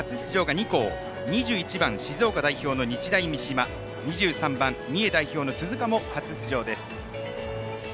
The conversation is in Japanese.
２１番、静岡代表の日大三島２３番、三重代表の鈴鹿も初出場。